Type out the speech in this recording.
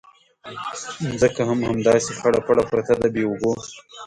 ځمکه هم همداسې خړه پړه پرته ده بې اوبو.